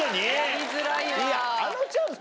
やりづらいわ。